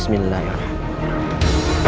sementara ayah anda